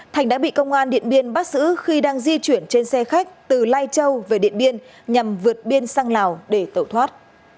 thành đã bị công an điện biên bắt giữ khi đang di chuyển trên xe khách từ lai châu về điện biên nhằm vượt biên sang lào để tẩu thoát